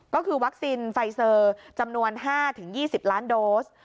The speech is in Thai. ก็คือวัคซีนไฟเซอร์จำนวน๕๒๐ล้านโดส